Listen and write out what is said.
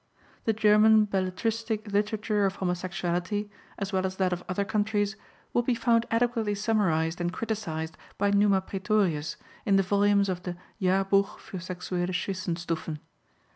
The German belletristic literature of homosexuality, as well as that of other countries, will be found adequately summarized and criticised by Numa Praetorius in the volumes of the Jahrbuch für sexuelle Zwischenstufen.